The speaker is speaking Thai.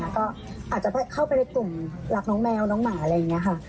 ก็อาจจะเข้าไปในกลุ่มรักน้องแมวน้องหมาอะไรอย่างนี้ค่ะ